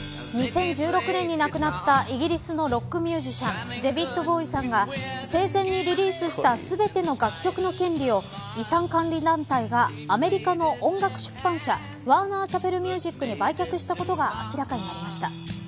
２０１６年に亡くなったイギリスのロックミュージシャンデヴィッド・ボウイさんが生前にリリースした全ての楽曲の権利を遺産管理団体がアメリカの音楽出版社ワーナー・チャペル・ミュージックに売却したことが明らかになりました。